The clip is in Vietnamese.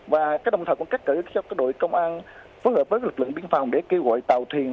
và các đồng thời cũng kết cử cho các đội công an phối hợp với lực lượng biên phòng để kêu gọi tàu thuyền